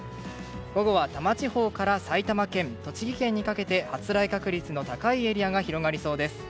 午後は多摩地方から埼玉県、栃木県にかけて発雷確率の高いエリアが広がりそうです。